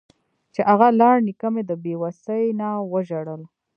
چې اغه لاړ نيکه مې د بې وسۍ نه وژړل.